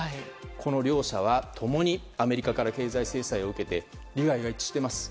この両者は共にアメリカから経済制裁を受けて利害が一致しています。